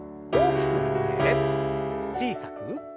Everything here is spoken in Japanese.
大きく振って小さく。